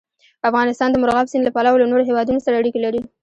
افغانستان د مورغاب سیند له پلوه له نورو هېوادونو سره اړیکې لري.